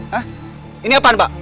hah ini apaan mbak